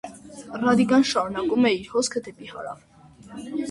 Ռադիկան շարունակում է իր հոսքը դեպի հարավ։